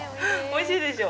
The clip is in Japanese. おいしいでしょ。